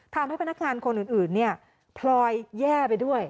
ทำให้พนักงานคนอื่นพลอยแย่ไปด้วย